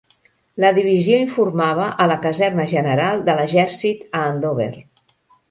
La divisió informava a la Caserna General de l'Exèrcit a Andover.